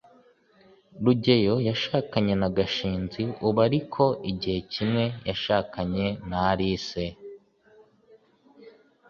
rugeyo yashakanye na gashinzi ubu, ariko igihe kimwe yashakanye na alice